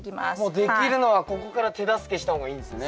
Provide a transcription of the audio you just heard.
もうできるのはここから手助けした方がいいんですね。